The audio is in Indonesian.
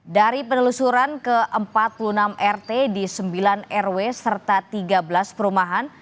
dari penelusuran ke empat puluh enam rt di sembilan rw serta tiga belas perumahan